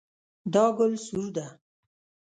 دا ګل سور ده